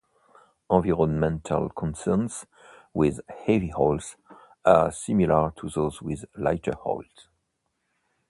Environmental concerns with heavy oils are similar to those with lighter oils.